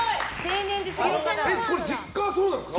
これ、実家そうなんですか？